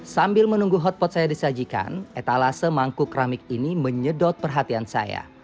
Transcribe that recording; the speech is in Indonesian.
sambil menunggu hotpot saya disajikan etalase mangkuk ramik ini menyedot perhatian saya